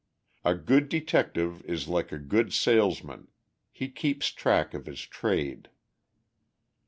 A good detective is like a good salesman—he keeps track of his "trade."